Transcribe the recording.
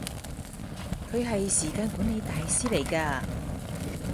佢係時間管理大師嚟㗎